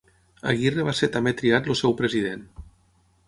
Aguirre va ser també triat el seu president.